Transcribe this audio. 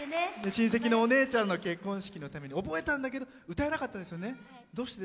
親戚のお姉ちゃんの結婚式のために覚えたんだけど歌えなかったんですよね。